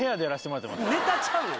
ネタちゃうの？